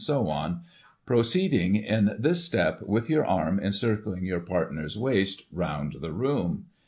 [1844 so on, proceeding in this step, with your arm encircling your partner's waist, round the room.